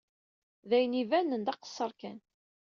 D ayen ibanen d aqeṣṣer kan!